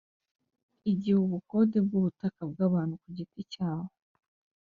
Igihe ubukode bw ubutaka bw abantu ku giti cyabo